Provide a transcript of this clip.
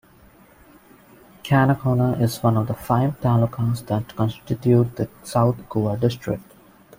Canacona is one of the five talukas that constitute the South Goa district.